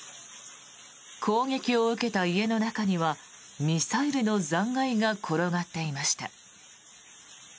攻撃を受けた家の中にはミサイルの残骸が転がっていました。